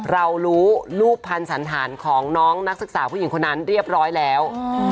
เรารู้รูปพันธ์สันฐานของน้องนักศึกษาผู้หญิงคนนั้นเรียบร้อยแล้ว